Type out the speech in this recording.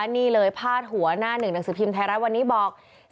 นี่เลยพาดหัวหน้าหนึ่งหนังสือพิมพ์ไทยรัฐวันนี้บอก